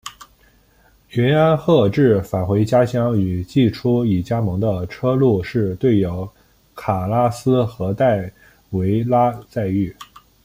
云安贺治返回家乡与季初已加盟的车路士队友卡拉斯和戴维拉再遇。